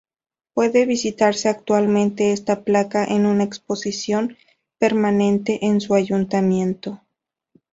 Puede visitarse actualmente esta placa en una exposición permanente en su Ayuntamiento.